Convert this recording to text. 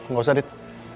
gak usah dit